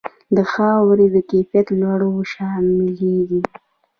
د خاورې د کیفیت لوړونه شاملیږي.